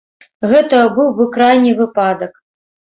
Гэта быў бы крайні выпадак.